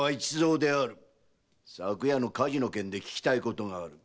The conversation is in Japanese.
昨夜の火事の件で訊きたいことがある。